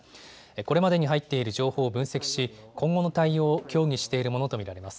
これまでに入っている情報を分析し今後の対応を協議しているものと見られます。